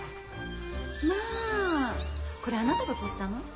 これあなたが取ったの？